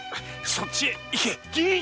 そっちへ行けっ！